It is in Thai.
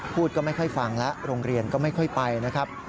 พูดก็ไม่ค่อยฟังแล้วโรงเรียนก็ไม่ค่อยไปนะครับ